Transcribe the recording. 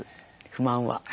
不満は。